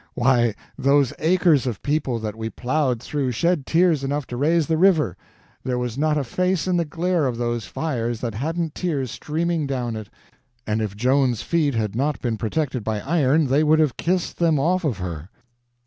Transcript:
Why, those acres of people that we plowed through shed tears enough to raise the river; there was not a face in the glare of those fires that hadn't tears streaming down it; and if Joan's feet had not been protected by iron they would have kissed them off of her.